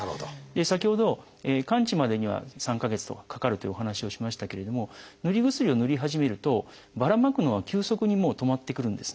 先ほど完治までには３か月とかかかるというお話をしましたけれどもぬり薬をぬり始めるとばらまくのは急速に止まってくるんですね。